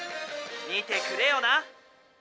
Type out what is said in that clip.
見てくれよな」。